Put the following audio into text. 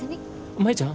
舞ちゃん。